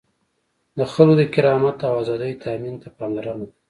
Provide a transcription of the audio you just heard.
د خلکو د کرامت او آزادیو تأمین ته پاملرنه ده.